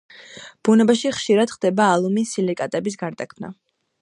ბუნებაში ხშირად ხდება ალუმინსილიკატების გარდაქმნა.